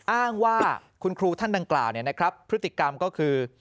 อ้างว่าคุณครูท่านดังกล่าวพฤติกรรมก็คือ